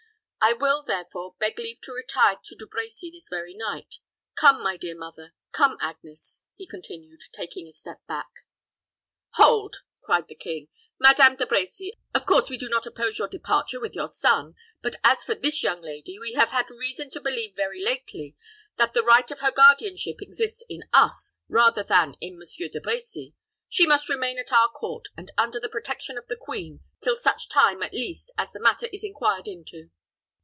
"I will, therefore, beg leave to retire to De Brecy this very night. Come, my dear mother come, Agnes," he continued, taking a step back. "Hold!" cried the king. "Madame De Brecy, of course we do not oppose your departure with your son; but as for this young lady, we have had reason to believe very lately, that the right to her guardianship exists in us, rather than in Monsieur De Brecy. She must remain at our court, and under the protection of the queen, till such time, at least, as the matter is inquired into."